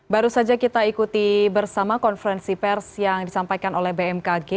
baru saja kita ikuti bersama konferensi pers yang disampaikan oleh bmkg